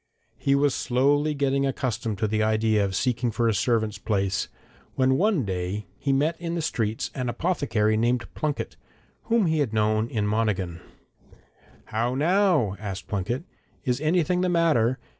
He was slowly getting accustomed to the idea of seeking for a servant's place, when one day he met in the streets an apothecary named Plunket, whom he had known in Monaghan. 'How now?' asked Plunket. 'Is anything the matter?